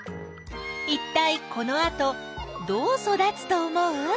いったいこのあとどうそだつと思う？